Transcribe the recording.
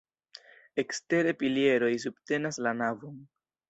Ekstere pilieroj subtenas la navon.